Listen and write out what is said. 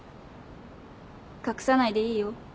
隠さないでいいよ。